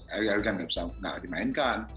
eryargan tidak bisa dimainkan